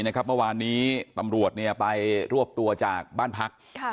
เมื่อวานนี้ตำรวจไปรวบตัวจากบ้านพัก